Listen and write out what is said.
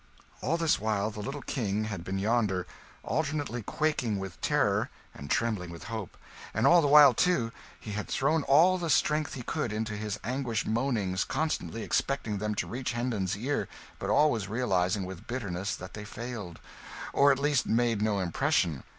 All this while the little King had been yonder, alternately quaking with terror and trembling with hope; and all the while, too, he had thrown all the strength he could into his anguished moanings, constantly expecting them to reach Hendon's ear, but always realising, with bitterness, that they failed, or at least made no impression.